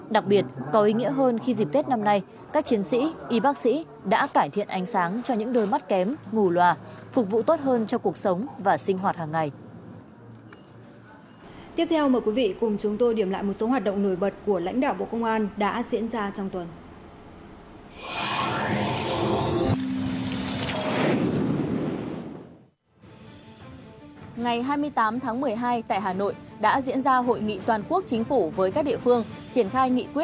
đặc biệt có ý nghĩa hơn khi dịp tết năm nay các chiến sĩ y bác sĩ đã cải thiện ánh sáng cho những đôi mắt kém ngủ loà phục vụ tốt hơn cho cuộc sống và sinh hoạt hàng ngày